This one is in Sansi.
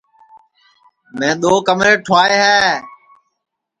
میں دؔو کمرے ٹُھوائے ہے